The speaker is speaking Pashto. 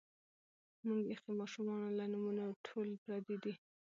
مونږ ایخي مـاشومـانو لـه نومـونه ټول پردي دي